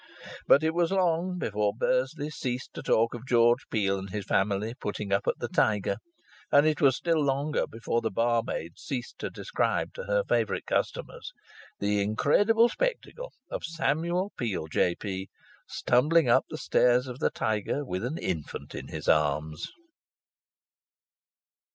But it was long before Bursley ceased to talk of George Peel and his family putting up at the Tiger. And it was still longer before the barmaid ceased to describe to her favourite customers the incredible spectacle of Samuel Peel, J.P., stumbling up the stairs of the Tiger with an infant in his arms.